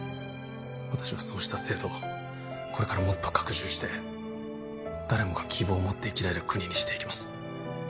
私はそうした制度をこれからもっと拡充して誰もが希望を持って生きられる国にしていきます